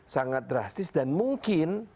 sangat drastis dan mungkin